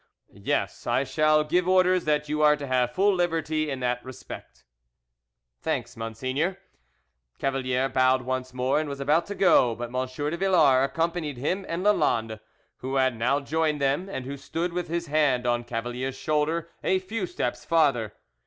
"Yes, I shall give orders that you are to have full liberty in that respect." "Thanks, monseigneur." Cavalier bowed once more, and was about to go; but M. de Villars accompanied him and Lalande, who had now joined them, and who stood with his hand on Cavalier's shoulder, a few steps farther.